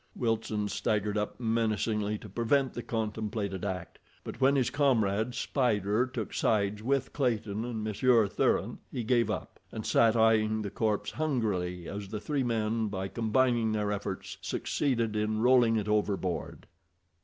Wilson staggered up menacingly to prevent the contemplated act, but when his comrade, Spider, took sides with Clayton and Monsieur Thuran he gave up, and sat eying the corpse hungrily as the three men, by combining their efforts, succeeded in rolling it overboard.